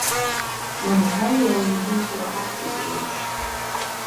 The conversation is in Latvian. Mani pajoliņi būs jau atlidojuši.